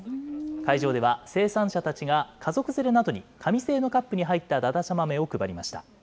会場では生産者たちが家族連れなどに、紙製のカップに入っただだちゃ豆を配りました。